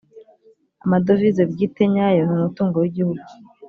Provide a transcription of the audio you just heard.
amadovize bwite nyayo ni umutungo wigihugu